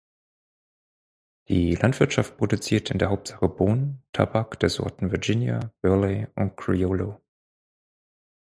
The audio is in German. Die Landwirtschaft produziert in der Hauptsache Bohnen, Tabak der Sorten Virginia, Burley und Criollo.